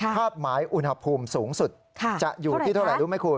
คาดหมายอุณหภูมิสูงสุดจะอยู่ที่เท่าไหร่รู้ไหมคุณ